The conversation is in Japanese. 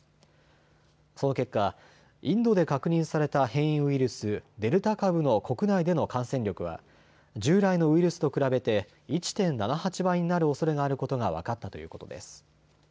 その結果、インドで確認された変異ウイルス、デルタ株の国内での感染力は従来のウイルスと比べて１．７８倍になるおそれがあることが分かったということです。